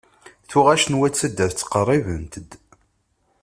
Tuɣac n wat n taddart tqerribent-d.